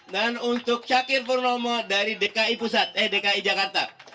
dan untuk syakir furnomo dari dki jakarta